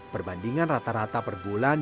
perbandingan rata rata perbulan jumlahnya berapa